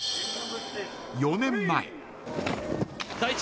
４年前。